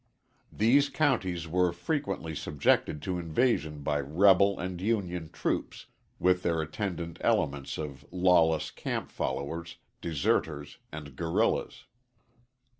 These counties were frequently subjected to invasion by rebel and Union troops, with their attendant elements of lawless camp followers, deserters and guerillas.